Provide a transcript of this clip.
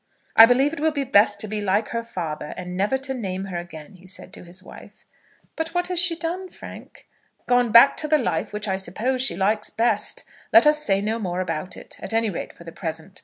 "I believe it will be best to be like her father, and never to name her again," said he to his wife. "But what has she done, Frank?" "Gone back to the life which I suppose she likes best. Let us say no more about it, at any rate for the present.